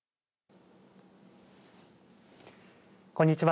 こんにちは。